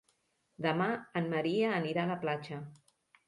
Demà en Maria anirà a la platja.